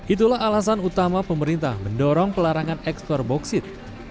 itulah alasan utama pemerintah mendorong pelarangan ekspor boksit